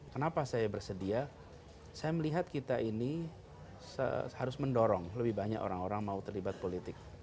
kenapa saya bersedia saya melihat kita ini harus mendorong lebih banyak orang orang mau terlibat politik